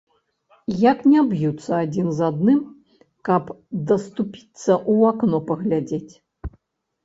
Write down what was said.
Як не б'юцца адзін з адным, каб даступіцца ў акно паглядзець.